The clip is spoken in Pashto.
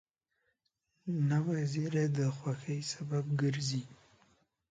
نوې زېری د خوښۍ سبب ګرځي